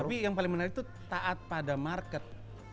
tapi yang paling menarik itu taat pada market